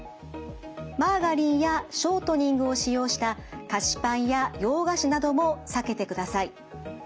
マーガリンやショートニングを使用した菓子パンや洋菓子なども避けてください。